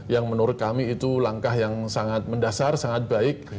yang menurut kami itu langkah yang sangat mendasar sangat baik